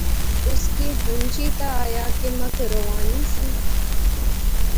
اُس کی ہن چیتا آیا کہ مک رانو نی سی